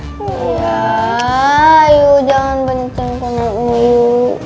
iya ayo jangan bencengkan aku